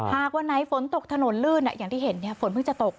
หากวันไหนฝนตกถนนลื่นอย่างที่เห็นฝนเพิ่งจะตก